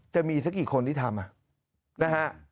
จะมีเท่ากี่คนที่ทำอ่ะนะฮะ